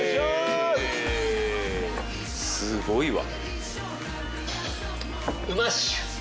すごいわ。